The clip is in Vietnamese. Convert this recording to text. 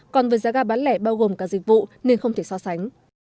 còn với giá ga bán lẻ bao gồm cả dịch vụ nên không thể so sánh